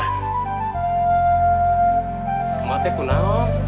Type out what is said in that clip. kamu ada apa